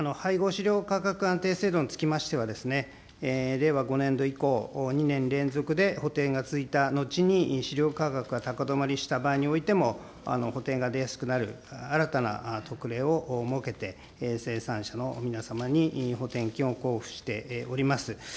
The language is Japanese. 飼料価格安定制度につきましては、令和５年度以降、２年連続で補填が続いた後に、飼料価格が高止まりした場合においても、補填が出やすくなる新たな特例を設けて、生産者の皆様に補填金を交付しております。